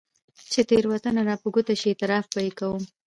چې تېروتنه راپه ګوته شي، اعتراف به يې کوم.